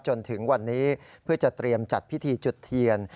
จนถึงวันนี้เพื่อจะเตรียมจัดพิธีจุดเทียน